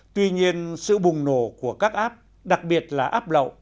tuy nhiên sự bùng nổ của các app đặc biệt là app lậu